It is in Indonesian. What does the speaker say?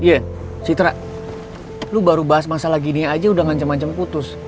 iya citra lo baru bahas masalah gini aja udah ngancam ngancam putus